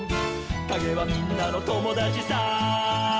「かげはみんなのともだちさ」